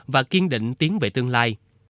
và kiên định tiến về tương lai